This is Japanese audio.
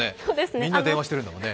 みんな電話してるんだもんね。